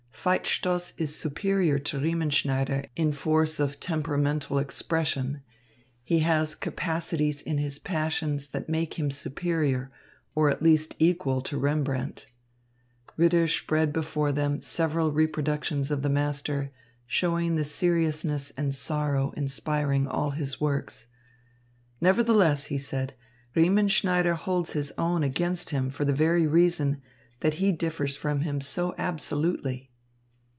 "Veit Stoss is superior to Riemenschneider in force of temperamental expression; he has capacities in his passions that make him superior, or at least equal, to Rembrandt." Ritter spread before them several reproductions of the master, showing the seriousness and sorrow inspiring all his works. "Nevertheless," he said, "Riemenschneider holds his own against him for the very reason that he differs from him so absolutely."